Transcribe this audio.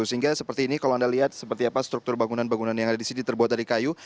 sehingga seperti ini kalau anda lihat seperti apa struktur bangunan bangunan yang ada di sini terbuat dari kayu